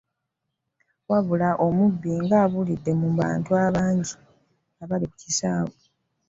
Wabula omubbi ng'abulidde mu bantu abangi abaali ku kisaawe.